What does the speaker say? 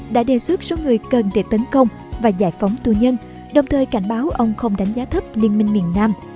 đã đề xuất số người cần để tấn công và giải phóng tù nhân đồng thời cảnh báo ông không đánh giá thấp liên minh miền nam